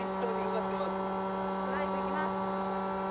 ストライクいきます。